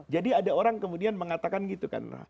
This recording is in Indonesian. jadi ada orang kemudian mengatakan gitu kan